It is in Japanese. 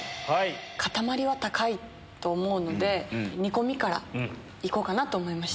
塊は高いと思うので、煮込みからいこうかなと思いました。